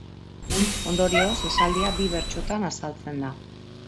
Ondorioz, esaldia bi bertsotan azaltzen da.